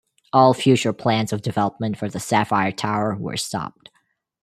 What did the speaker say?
All future plans of development for the Sapphire Tower were stopped.